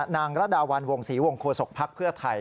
นางรดาวัลวงศรีวงโคศกพรรคเพื่อไทย